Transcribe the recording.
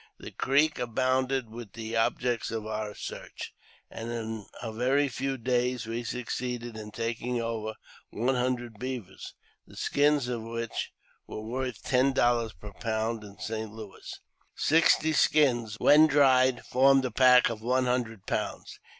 The Creek abounded with the objects of our search, and in a very few days we succeeded in taking over one hundred beavers, the skins of which were worth ten dollars per pound in St. Louis. Sixty skins, when dried, formed a pack of one hundred pounds.